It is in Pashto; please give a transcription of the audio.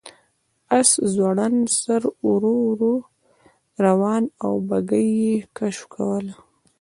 آس ځوړند سر ورو ورو روان و او بګۍ یې کش کوله.